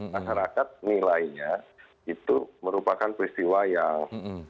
masyarakat nilainya itu merupakan peristiwa yang